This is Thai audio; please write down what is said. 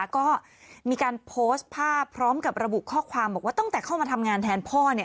ก็มีการโพสต์ภาพพร้อมกับระบุข้อความบอกว่าตั้งแต่เข้ามาทำงานแทนพ่อ